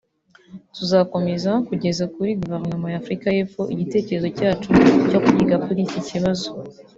tuzakomeza kugeza kuri Guverinoma ya Afurika y’Epfo igitekerezo cyacu cyo kwiga kuri iki kibazo